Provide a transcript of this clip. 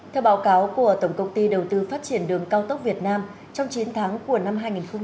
theo báo cáo của tổng công ty đầu tư phát triển đường cao tốc việt nam trong chín tháng của năm